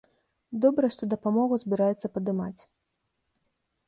Добра што дапамогу збіраюцца падымаць.